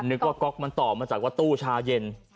นึกว่าก๊อกมันต่อมาจากว่าตู้ชาเย็น